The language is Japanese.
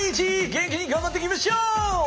元気に頑張っていきましょう！